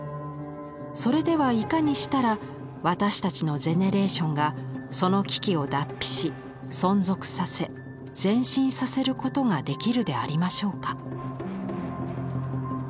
それではいかにしたら私たちのゼネレーションがその危機を脱皮し存続させ前進させることができるでありましょうか」。